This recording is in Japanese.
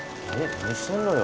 何してんのよ。